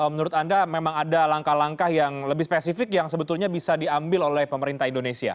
menurut anda memang ada langkah langkah yang lebih spesifik yang sebetulnya bisa diambil oleh pemerintah indonesia